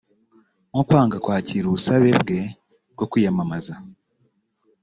nko kwanga kwakira ubusabe bwe bwo kwiyamamaza